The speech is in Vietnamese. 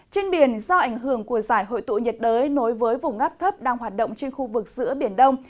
trên biển do ảnh hưởng của giải hội tụ nhiệt đới nối với vùng ngắp thấp đang hoạt động trên khu vực giữa biển đông